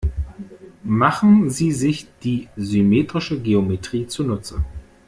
Machen Sie sich die symmetrische Geometrie zunutze.